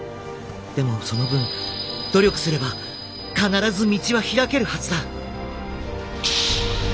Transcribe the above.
でもその分努力すれば必ず道は開けるはずだ。